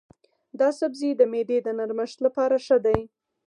دا سبزی د معدې د نرمښت لپاره ښه دی.